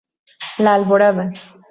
La Alborada.